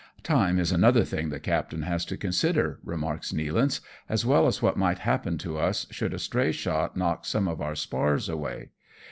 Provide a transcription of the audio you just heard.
" Time is another thing the captain has to consider," remarks Nealance, " as well as what might happen to us, should a stray shot knock some of our spars away.